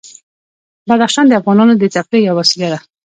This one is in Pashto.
بدخشان د افغانانو د تفریح یوه وسیله ده.